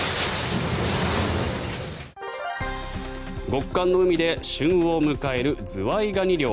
極寒の海で旬を迎えるズワイガニ漁。